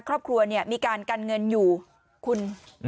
ครอบครัวเนี่ยมีการกันเงินอยู่คุณ